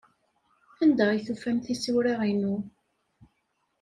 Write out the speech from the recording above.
Anda ay tufam tisura-inu?